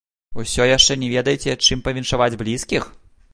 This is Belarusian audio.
Усё яшчэ не ведаеце, чым павіншаваць блізкіх?